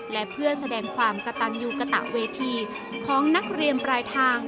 และเพื่อแสดงความกระตันยูกระตะเวทีของนักเรียนปลายทาง